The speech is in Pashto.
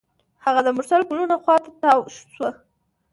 هغه د مرسل ګلونو خوا ته تاوه شوه.